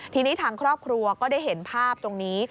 ทีนี้ทางครอบครัวก็ได้เห็นภาพตรงนี้